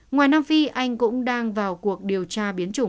ngoài nam phi anh cũng đang vào cuộc điều tra